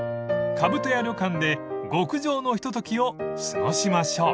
［兜家旅館で極上のひとときを過ごしましょう］